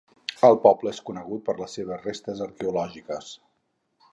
El poble és conegut per les seves restes arqueològiques.